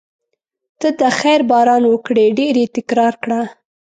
ته د خیر باران وکړې ډېر یې تکرار کړه.